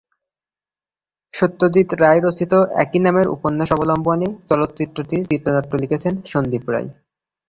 সত্যজিৎ রায় রচিত একই নামের উপন্যাস অবলম্বনে চলচ্চিত্রটির চিত্রনাট্য লিখেছেন সন্দীপ রায়।